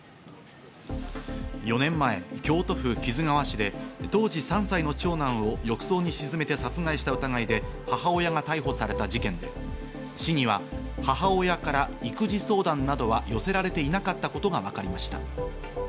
４年前、京都府木津川市で当時３歳の長男を浴槽に沈めて殺害した疑いで母親が逮捕された事件で、市には母親から育児相談などは寄せられていなかったことがわかりました。